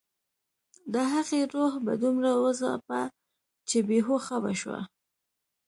د هغې روح به دومره وځاپه چې بې هوښه به شوه